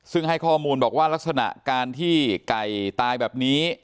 ซึ่งให้ข้อมูลบอกว่าลักษณะการที่ไก่ตายแบบนี้